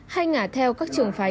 hay ngả theo các trưởng phái